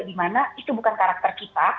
di mana itu bukan karakter kita